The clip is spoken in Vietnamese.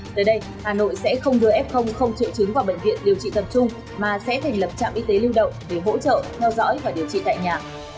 tới đây hà nội sẽ không rf không triệu chứng vào bệnh viện điều trị tập trung mà sẽ thành lập trạm y tế lưu động để hỗ trợ theo dõi và điều trị tại nhà